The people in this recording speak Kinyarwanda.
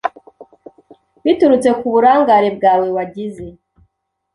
biturutse ku burangare bwawe wagize.